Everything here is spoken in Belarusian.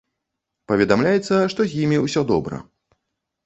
Паведамляецца, што з імі ўсё добра.